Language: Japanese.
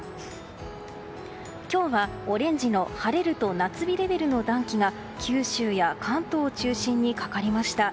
今日はオレンジの晴れると夏日レベルの暖気が九州や関東を中心にかかりました。